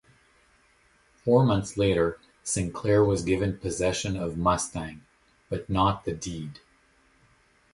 Four months later, Sinclair was given possession of Mustang, but not the deed.